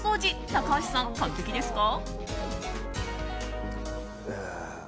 高橋さん、完璧ですか？